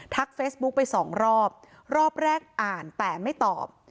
ทักเฟสบุ๊คไป๒รอบรอบแรกอ่านแต่ไม่ตอบ